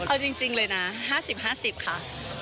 เอาจริงเลยนะ๕๐๕๐ค่ะ